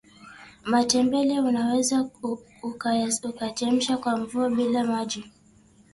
matembele unaweza ukayachemsha kwa mvuke bila maji